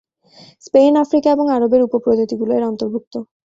Spain, Africa এবং আরবের উপ-প্রজাতিগুলো এর অন্তর্ভুক্ত।